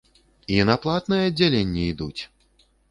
І на платнае аддзяленне ідуць!